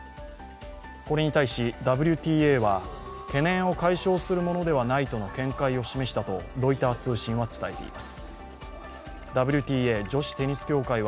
これに対し、ＷＴＡは懸念を解消するものではないとの見解を示したとロイター通信は伝えています。